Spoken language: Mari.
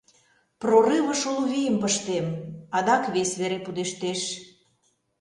Прорывыш уло вийым пыштем, адак вес вере пудештеш.